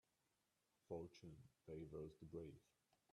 Fortune favours the brave.